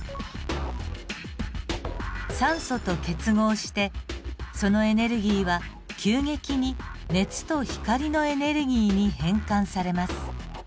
酸素と結合してそのエネルギーは急激に熱と光のエネルギーに変換されます。